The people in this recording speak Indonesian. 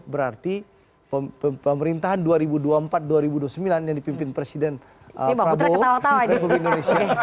berarti pemerintahan dua ribu dua puluh empat dua ribu dua puluh sembilan yang dipimpin presiden prabowo republik indonesia